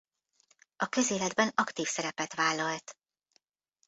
A közéletben aktív szerepet vállalt.